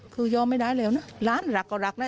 คือยอมไม่ได้แล้วนะหลานรักก็รักนะ